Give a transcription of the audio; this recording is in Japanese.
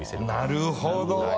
なるほど。